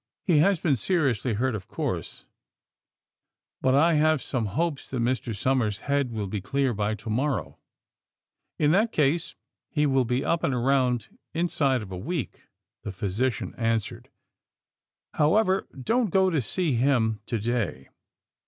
^^ He has been seriously hurt, of course, but I have some hojDes that Mr. Somers 's head will be clear by to morrow. In that case he will be up and around inside of a week, '' the physician answered. ^'However, don't go to see him to day.